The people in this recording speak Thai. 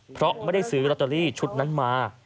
เพราะไม่ได้ซื้อลอตเตอรี่ชุดนั้นมา